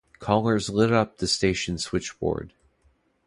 Callers lit up the station switchboard.